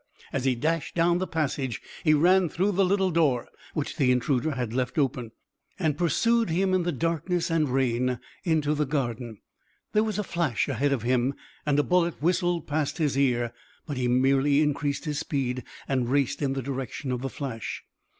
as he dashed down the passage he ran through the little door, which the intruder had left open, and pursued him in the darkness and rain into the garden. There was a flash ahead of him and a bullet whistled past his ear, but he merely increased his speed and raced in the direction of the flash.